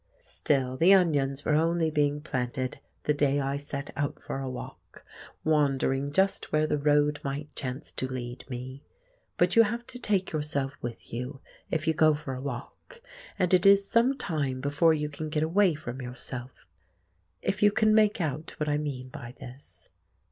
Still, the onions were only being planted the day I set out for a walk, wandering just where the road might chance to lead me. But you have to take yourself with you, if you go for a walk, and it is some time before you can get away from yourself—if you can make out what I mean by this.